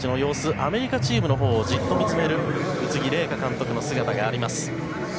アメリカチームのほうをじっと見つめる宇津木麗華監督の姿があります。